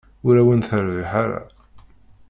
Ur awen-terbiḥ ara.